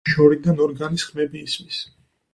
შორიდან ორგანის ხმები ისმის.